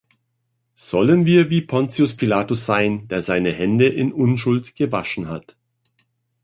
Sollen wir wie Pontius Pilatus sein, der seine Hände in Unschuld gewaschen hat?